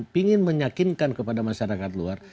pingin menyakinkan kepada masyarakat luar